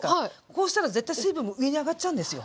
こうしたら絶対水分も上に上がっちゃうんですよ。